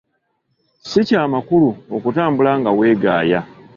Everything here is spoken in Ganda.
Si kya makulu okutambuala nga weegaaya.